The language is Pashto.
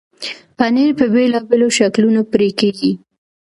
پنېر په بېلابېلو شکلونو پرې کېږي.